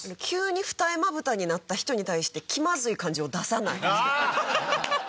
急に二重まぶたになった人に対して気まずい感じを出さない。